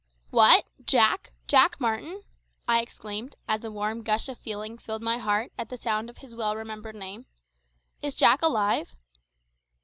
"What! Jack Jack Martin?" I exclaimed, as a warm gush of feeling filled my heart at the sound of his well remembered name. "Is Jack alive?"